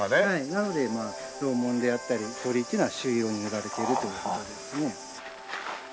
なので楼門であったり鳥居っていうのは朱色に塗られているという事ですね。